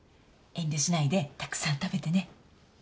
遠慮しないでたくさん食べてね